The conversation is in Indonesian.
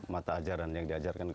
mata ajaran yang diajarkan